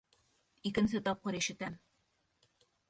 Икенсе тапҡыр ишетәм.